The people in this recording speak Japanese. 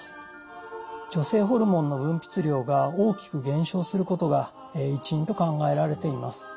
女性ホルモンの分泌量が大きく減少することが一因と考えられています。